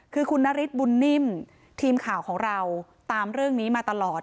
คือคุณนฤทธิบุญนิ่มทีมข่าวของเราตามเรื่องนี้มาตลอด